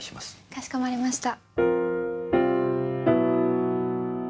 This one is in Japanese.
かしこまりました。